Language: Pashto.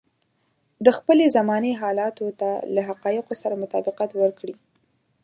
د خپلې زمانې حالاتو ته له حقايقو سره مطابقت ورکړي.